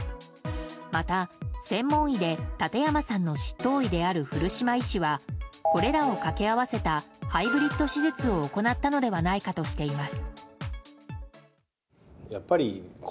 また、専門医で館山さんの執刀医である古島医師はこれらを掛け合わせたハイブリッド手術を行ったのではないかとしています。